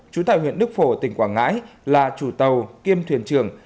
trú tại huyện đức phổ tỉnh quảng ngãi là chủ tàu kiêm thuyền trưởng